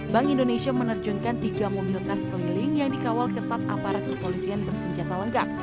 bank indonesia menerjunkan tiga mobil kas keliling yang dikawal ketat aparat kepolisian bersenjata lengkap